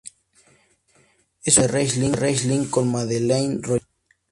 Es un cruce de riesling con madeleine royale.